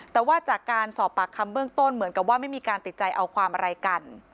แต่ว่าจากการสอบปากคำเบื้องต้นเหมือนกับว่าไม่มีการติดใจเอาความอะไรกัน